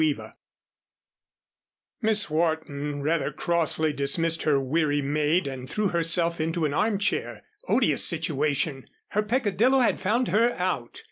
CHAPTER VIII Miss Wharton rather crossly dismissed her weary maid, and threw herself into an armchair. Odious situation! Her peccadillo had found her out!